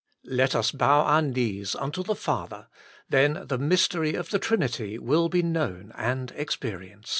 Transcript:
Let us bow our knees unto the Father ! Then the mystery of the Trinity will be known and experienced.